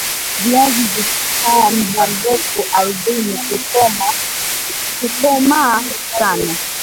viazi vikikaa mda mrefu ardhini kukomaa sana